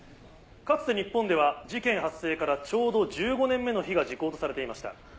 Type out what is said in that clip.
かつて日本では事件発生からちょうど１５年目の日が時効とされていました。